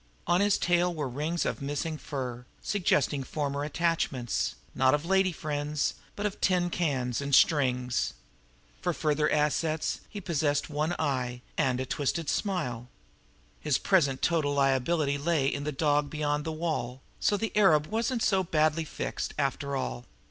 On his tail were rings of missing fur, suggesting former attachments, not of lady friends, but of tin cans and strings. For further assets, he possessed one eye and a twisted smile. His present total liability lay in the dog beyond the wall, so the arab wasn't so badly fixed, after all.